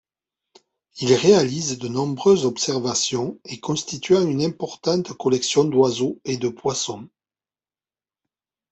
Il réalise de nombreuses observations et constituant une importante collection d’oiseaux et de poissons.